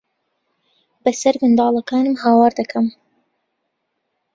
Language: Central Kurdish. بەسەر منداڵەکانم ھاوار دەکەم.